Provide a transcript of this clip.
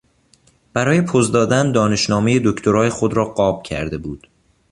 برای پز دادن دانشنامهی دکتری خود را قاب کرده بود.